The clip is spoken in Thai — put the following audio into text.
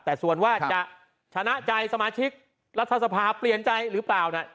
แต่ส่วนว่าจะชนะใจสมาชิกรัฐสภาเปลี่ยนใจหรือเปล่าเนี่ย